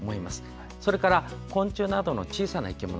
それから昆虫などの小さな生き物。